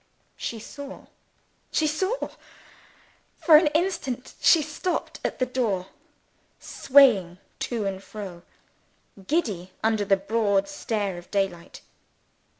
She saw! she saw! For an instant she stopped at the door, swaying to and fro; giddy under the broad stare of daylight.